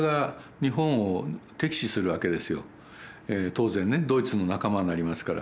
当然ねドイツの仲間になりますから。